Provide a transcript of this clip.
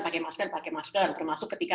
pakai masker pakai masker termasuk ketika